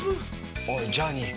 おいジャーニー